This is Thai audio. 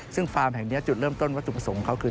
ซึ่งฟาร์มแห่งนี้จุดเริ่มต้นวัตถุประสงค์เขาคือ